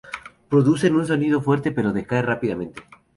Producen un sonido fuerte, pero decae rápidamente.